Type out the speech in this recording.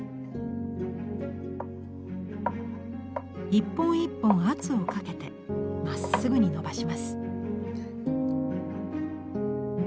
一本一本圧をかけてまっすぐにのばします。